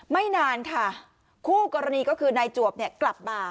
ไม่นานค่ะคู่กรณีก็คือนายจวบเนี่ยกลับมา